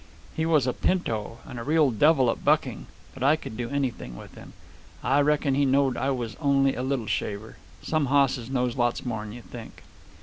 He was a pinto, and a real devil at bucking, but I could do anything with him. I reckon he knowed I was only a little shaver. Some hosses knows lots more 'n' you think."